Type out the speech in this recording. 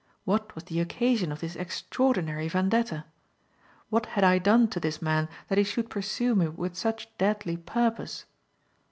What was the occasion of this extraordinary vendetta? What had I done to this man that he should pursue me with such deadly purpose?